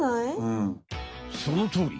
そのとおり！